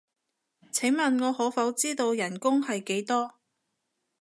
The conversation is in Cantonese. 請問我可否知道人工係幾多？